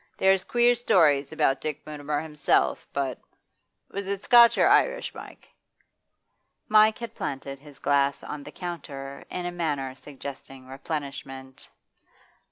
There's queer stories about Dick Mutimer himself, but was it Scotch or Irish, Mike?' Mike had planted his glass on the counter in a manner suggesting replenishment.